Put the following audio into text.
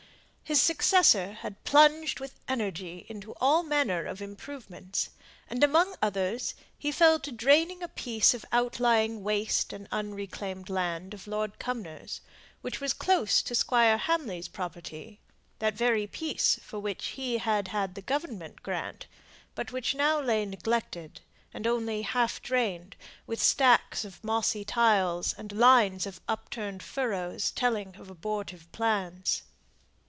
His successor had plunged with energy into all manner of improvements; and among others, he fell to draining a piece of outlying waste and unreclaimed land of Lord Cumnor's, which was close to Squire Hamley's property that very piece for which he had had the Government grant, but which now lay neglected, and only half drained, with stacks of mossy tiles, and lines of upturned furrows telling of abortive plans.